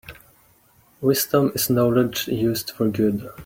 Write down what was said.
Wisdom is knowledge used for good.